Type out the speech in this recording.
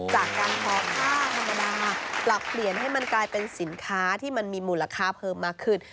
จากการทอผ้าธรรมดาปรับเปลี่ยนให้มันกลายเป็นสินค้าที่มันมีมูลค่าเพิ่มมากขึ้น